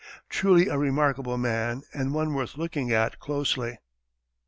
Truly a remarkable man and one worth looking at closely.